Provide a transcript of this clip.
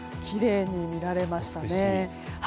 きれいに見られましたね。